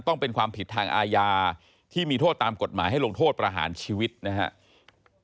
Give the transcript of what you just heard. ต้องเป็นความผิดทางอาญาที่มีโทษตามกฎหมายให้ลงโทษประหารชีวิตนะครับ